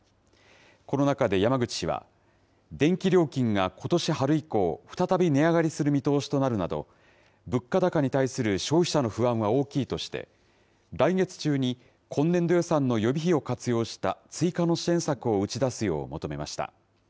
この中で山口氏は、電気料金がことし春以降、再び値上がりする見通しとなるなど、物価高に対する消費者の不安は大きいとして、来月中に今年度予算の予備費を活用した追加の支援策を打ち出すよう求めました。